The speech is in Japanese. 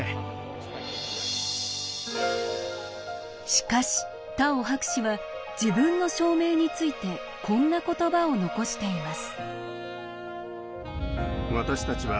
しかしタオ博士は自分の証明についてこんな言葉を残しています。